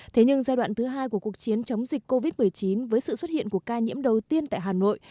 thế nhưng giai đoạn thứ hai của cuộc chiến chống dịch covid một mươi chín với sự xuất hiện của ca nhiễm đầu tiên tại hà nội